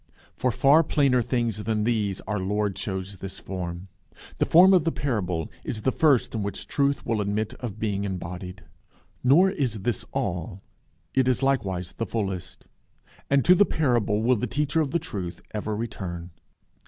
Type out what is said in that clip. For far plainer things than these, our Lord chose this form. The form of the parable is the first in which truth will admit of being embodied. Nor is this all: it is likewise the fullest; and to the parable will the teacher of the truth ever return.